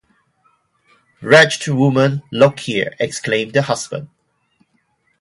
‘Wretched woman, look here,’ exclaimed the husband.